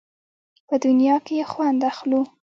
په دنیا کې یې خوند اخلو.